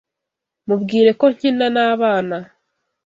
Mubwire ko nkina nabana.